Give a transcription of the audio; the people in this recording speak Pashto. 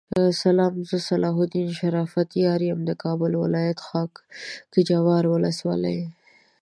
سلام زه صلاح الدین شرافت یار یم دکابل ولایت خاکحبار ولسوالی